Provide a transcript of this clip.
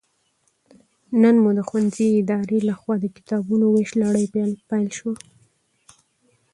نن مو د ښوونځي ادارې لخوا د کتابونو ويش لړۍ پيل شوه